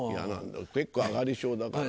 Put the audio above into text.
結構上がり症だからね。